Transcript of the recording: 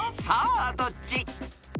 さあどっち？］